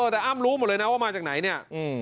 แต่อ้ำรู้หมดเลยนะว่ามาจากไหนเนี่ย